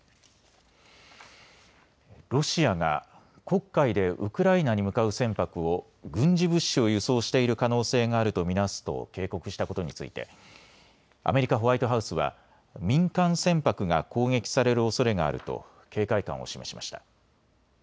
ロシアが黒海でウクライナに向かう船舶を軍事物資を輸送している可能性があると見なすと警告したことについてアメリカ・ホワイトハウスは民間船舶が攻撃されるおそれがあると警戒感を示しました。